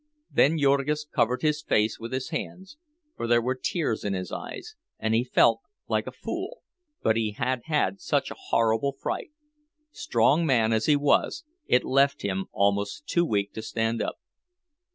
Then Jurgis covered his face with his hands, for there were tears in his eyes, and he felt like a fool. But he had had such a horrible fright; strong man as he was, it left him almost too weak to stand up.